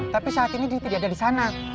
tapi saat ini dia tidak ada disana